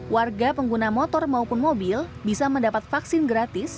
warga pengguna motor maupun mobil bisa mendapat vaksin gratis